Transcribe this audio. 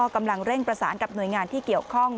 กำลังเร่งประสานกับหน่วยงานที่เกี่ยวข้อง